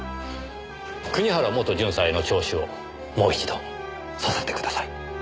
国原元巡査への聴取をもう一度させてください。